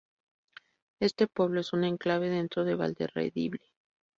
Este pueblo es un enclave dentro de Valderredible.